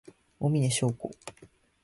小峰洋子